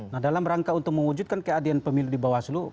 nah dalam rangka untuk mewujudkan keadilan pemilu di bawaslu